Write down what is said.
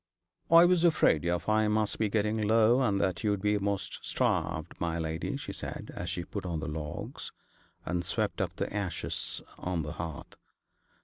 'I was afraid your fire must be getting low, and that you'd be amost starved, my lady,' she said, as she put on the logs, and swept up the ashes on the hearth.